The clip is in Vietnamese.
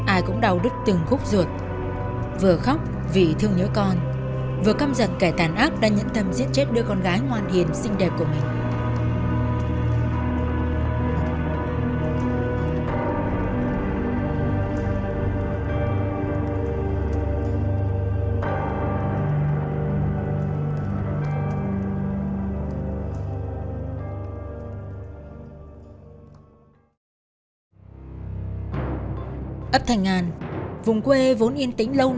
ai cũng đau đứt từng khúc ruột vừa khóc vì thương nhớ con vừa căm giật kẻ tàn ác đang nhẫn tâm giết chết đứa con gái ngoan hiền xinh đẹp của mình